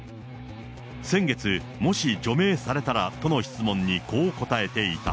先月、もし除名されたらとの質問にこう答えていた。